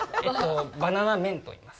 バナナメンといいます。